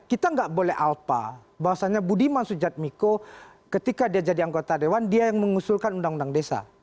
kita nggak boleh alpa bahwasannya budiman sujatmiko ketika dia jadi anggota dewan dia yang mengusulkan undang undang desa